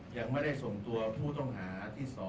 ยังไม่ได้ส่งตัวผู้ต้องหาที่๒